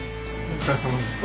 お疲れさまです。